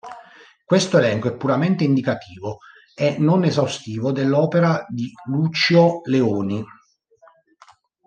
Questo elenco è puramente indicativo e non esaustivo dell'opera di Lucio Leoni.